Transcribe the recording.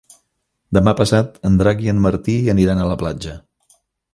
Demà passat en Drac i en Martí aniran a la platja.